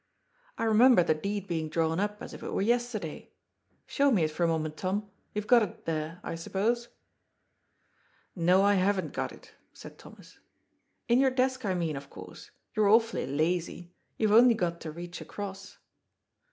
" I remember the deed being drawn up as if it were yesterday. Show me it for a moment, Tom. You have got it there, I suppose." " No, I haven't got it," said Thomas. "In your desk, I mean, of course. You are awfully lazy. You have only got to reach across."